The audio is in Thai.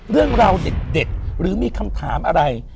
เรื่องราวเด็ดหรือมีคำถามอะไร